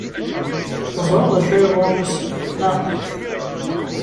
Teẓrid d acu ara yeḍrun ass-a, naɣ?